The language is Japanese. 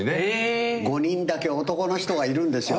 ５人だけ男の人がいるんですよ